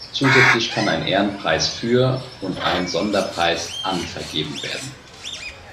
Zusätzlich kann ein Ehrenpreis für und ein Sonderpreis an vergeben werden.